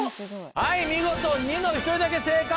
はい見事ニノ１人だけ正解！